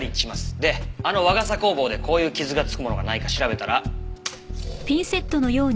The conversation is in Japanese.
であの和傘工房でこういう傷がつくものがないか調べたら。